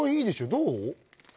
どう？